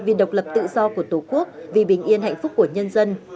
vì độc lập tự do của tổ quốc vì bình yên hạnh phúc của nhân dân